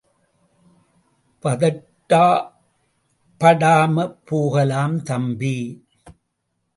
பதட்டப்படாம போகலாம் தம்பி!